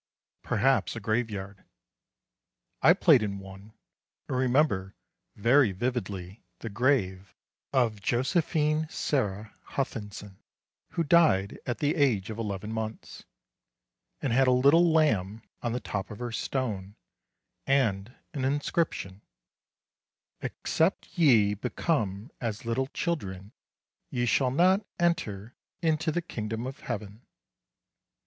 Perhaps a graveyard. I played in one, and remember very vividly the grave of Josephine Sarah Huthinson who died at the age of 11 months, and had a little lamb on the top of her stone and an inscription: "Except ye become as little children ye shall not enter into the Kingdom of Heaven."